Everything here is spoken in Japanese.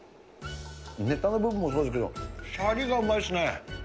ネタの部分もそうですけど、シャリがうまいっすね。